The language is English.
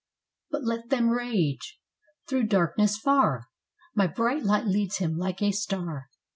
But let them rage! through darkness far My bright light leads him like a star.